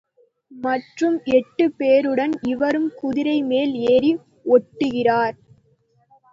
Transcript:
மற்றும் எட்டுப் பேருடன் இவரும் குதிரைமேல் ஏறி ஒட்டுகிறார்.